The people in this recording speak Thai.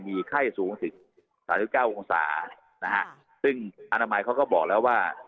มีไข้สูงถึง๓๙องศานะครับซึ่งอนามัยเขาก็บอกแล้วว่า